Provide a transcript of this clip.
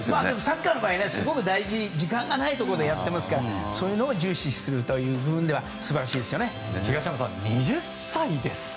サッカーの場合はすごく大事で時間がないところでやっていますからそういうのを重視する部分では東山さん、２０歳です。